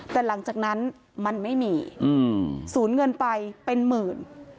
แต่หลังจากนั้นมันไม่มีศูนย์เงินไปเป็นหมื่น